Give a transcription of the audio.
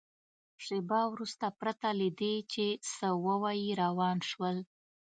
شېبه وروسته پرته له دې چې څه ووایي روان شول.